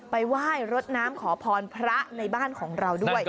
ไปไหว้รดน้ำขอพรพระในบ้านของเราด้วย